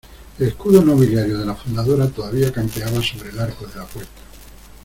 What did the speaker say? el escudo nobiliario de la fundadora todavía campeaba sobre el arco de la puerta.